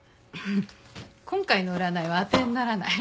今回の占いは当てにならない。